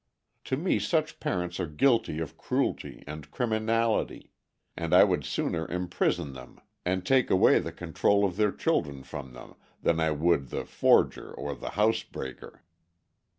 To me such parents are guilty of cruelty and criminality, and I would sooner imprison them and take away the control of their children from them than I would the forger or the housebreaker.